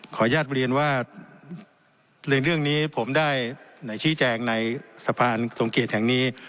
ขออนุญาตบริเวณว่าเรื่องเรื่องนี้ผมได้ในชี้แจงในสะพานสงเกตแห่งนี้